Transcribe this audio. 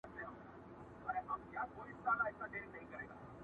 زوی یې پرانیستله خوله ویل بابکه،